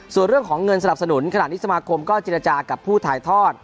ส่วนเรื่องของเงินสนับสนุนขณะนี้สมาคมก็เจรจากับผู้ถ่ายทอด